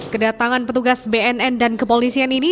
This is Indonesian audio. kedatangan petugas bnn dan kepolisian ini